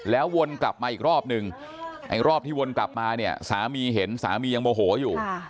แล้ววนกลับมาอีกรอบหนึ่งรอบที่วนกลับมาสามีเห็นสามียังโมโหอยู่